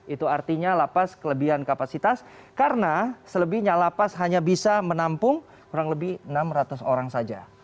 itu artinya lapas kelebihan kapasitas karena selebihnya lapas hanya bisa menampung kurang lebih enam ratus orang saja